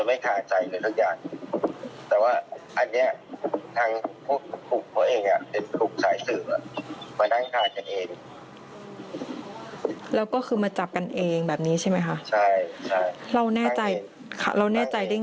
ไปถามแล้วพี่สั่งให้เจ็ดไปซื้อเหรอ